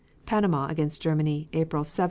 Panama against Germany, April 7,1917.